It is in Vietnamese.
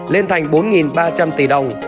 lên thành bốn ba trăm linh tỷ đồng